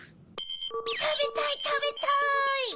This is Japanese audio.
たべたいたべたい！